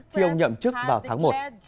khi ông nhậm chức vào tháng một